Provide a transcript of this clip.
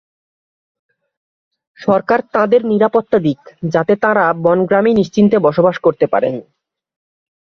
সরকার তাঁদের নিরাপত্তা দিক, যাতে তাঁরা বনগ্রামেই নিশ্চিন্তে বসবাস করতে পারেন।